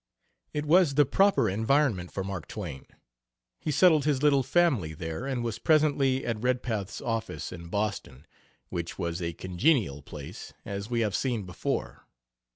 It was the proper environment for Mark Twain. He settled his little family there, and was presently at Redpath's office in Boston, which was a congenial place, as we have seen before.